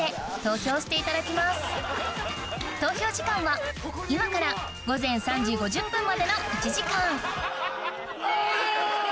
投票時間は今から午前３時５０分までの１時間あぁい！